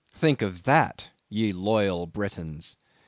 Think of that, ye loyal Britons!